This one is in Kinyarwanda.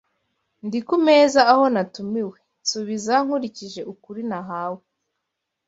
ndi ku meza aho natumiwe, nsubiza nkurikije ukuri nahawe